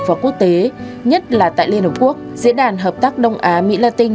và quốc tế nhất là tại liên hợp quốc